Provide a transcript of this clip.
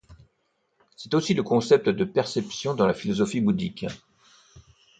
C'est aussi le concept de perception dans la philosophie bouddhique.